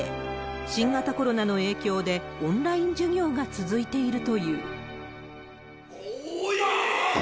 新型コロナの影響でオンライン授業が続いているという。